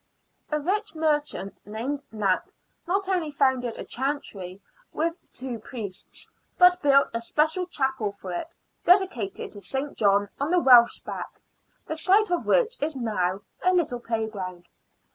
A rich merchant, named Knapp, not only founded a chantry with two priests, but built a special chapel for it, dedicated to St. John, on the Welsh Back, the site of which is now* a little playground.